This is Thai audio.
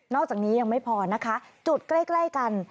อกจากนี้ยังไม่พอนะคะจุดใกล้กัน